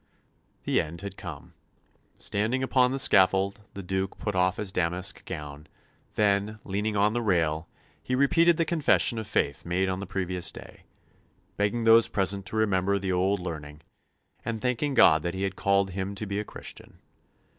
The end had come. Standing upon the scaffold, the Duke put off his damask gown; then, leaning on the rail, he repeated the confession of faith made on the previous day, begging those present to remember the old learning, and thanking God that He had called him to be a Christian.